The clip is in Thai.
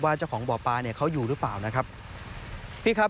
ว่าเจ้าของบ่อปลาเขาอยู่หรือเปล่านะครับ